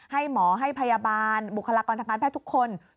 ให้หมอให้พยาบาลบุคลากรทางการแพทย์ทุกคน